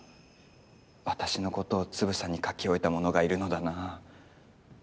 私のことをつぶさに書き置いた者がいるのだな。